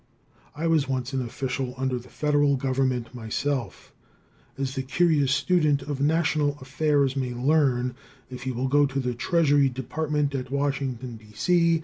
I was once an official under the Federal government myself, as the curious student of national affairs may learn if he will go to the Treasury Department at Washington, D.C.